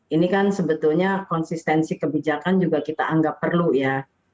ini kan sebetulnya konsistensi kebijakan juga kita anggap perlu ya